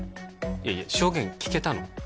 いやいや証言聞けたの？